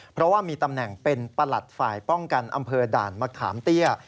เพราะว่ามีตำแหน่งเป็นประหลัดฝ่ายป้องกันอำเภอด่านมะขามเตี้ย